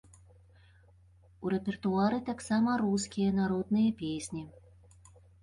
У рэпертуары таксама рускія народныя песні.